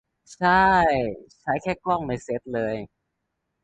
ช่าย ใช้แค่กล้องในเซ็ตเลย